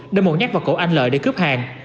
đâm một nhát vào cổ anh lợi để cướp hàng